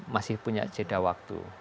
masih punya jeda waktu